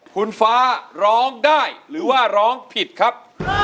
คุณฟ้าร้องได้หรือว่าร้องผิดครับ